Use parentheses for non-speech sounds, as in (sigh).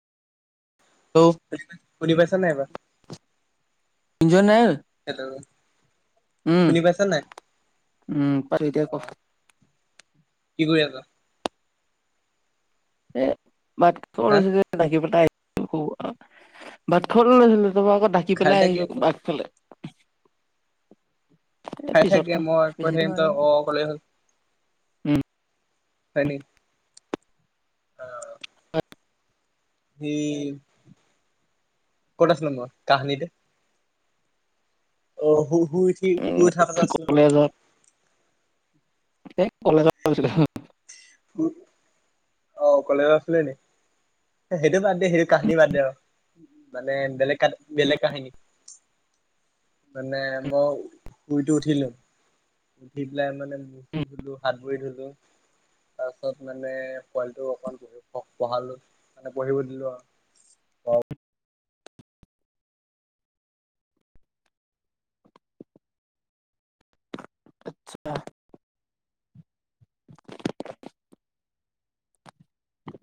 Hello শুনি পাইছা নাই এইবাৰ। (unintelligible) হটো। উম উম পাৰি এতিয়া ক কি কৰি আছ? এ ভাত খৰ হা লৈছিলে নাকি পতা আহ খ ভাত খ লৈছিলো। আক ঢাকি খাই পেলাই থাকি আকৌ আহিছো আঘফালে। এ খাই পিছত থাকে খাওঁ মই কৈ বেছি দেৰি থাকিম হোৱা তই নাই অ' অ নহয় অ' কলে হল। উম হয় নেকি? অ'। সেই ক'ত আছিল তাৰ কাহানীতে। অ' শু শুই উঠি উম শুই উঠা যাছো ন। কলেজত এ কলেজৰছিলো। অ' কলেজত আছিলে নে? সেইটো বাদ দে সেইটো কাহিনী বান দে আৰু। মানে বেলেগ বেলেগ গৈছিলো কাহিনি। মানে মই শুইটো উঠিলো। উঠি পেলাই মানে মটো ধুলো হাত বৰি ধলো। তাৰপিছত মানে পোৱালিটো অকমান প পঢ়ালো মানে পঢ়িব দিলো আৰু। অ'।